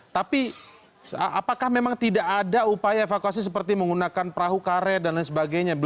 tapi apakah memang tidak ada upaya evakuasi seperti menggunakan perahu karet dan lain sebagainya